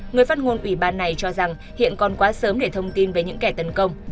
người phát ngôn ủy ban này cho rằng hiện còn quá sớm để thông tin về những kẻ tấn công